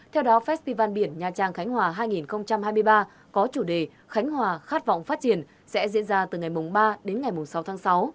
theo đó festival biển nha trang khánh hòa hai nghìn hai mươi ba có chủ đề khánh hòa khát vọng phát triển sẽ diễn ra từ ngày ba đến ngày sáu tháng sáu